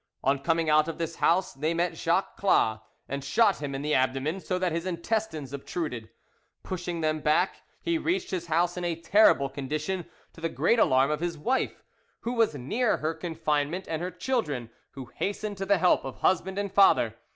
On coming out of this house they met Jacques Clas, and shot him in the abdomen, so that his intestines obtruded; pushing them back, he reached his house in a terrible condition, to the great alarm of his wife, who was near her confinement, and her children, who hastened to the help of husband and father.